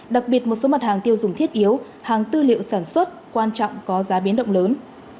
đặc biệt một số mặt hàng tiêu dùng thiết yếu hàng tư liệu sản xuất quan trọng có giá biến động lớn